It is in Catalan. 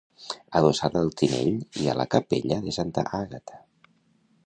Adossada al Tinell hi ha la Capella de Santa Àgata.